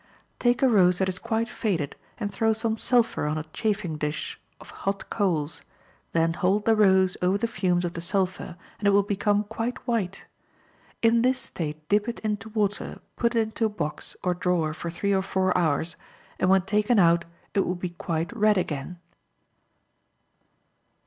—Take a rose that is quite faded, and throw some sulphur on a chafing dish of hot coals; then hold the rose over the fumes of the sulphur, and it will become quite white; in this state dip it into water, put it into a box, or drawer for three or four hours, and when taken out it will be quite red again.